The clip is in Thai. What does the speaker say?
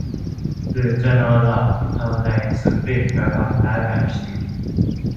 หรือจะนอนหลับเอาแรงสักตื่นก็ทำได้แบบชิล